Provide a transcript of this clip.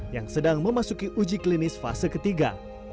yang sedang memasuki uji klinis fase ketiga